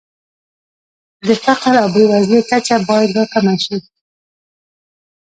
د فقر او بېوزلۍ کچه باید راکمه شي.